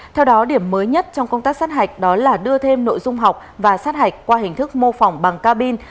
theo đó điểm mới nhất trong công tác sát hạch đó là đưa thêm nội dung học và sát hạch qua hình thức mô phỏng bằng cabin